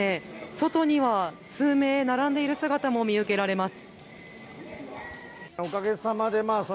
外には数名、並んでいる姿も見受けられます。